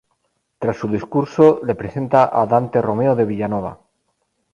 Tras su discurso, le presenta a Dante Romeo de Villanova.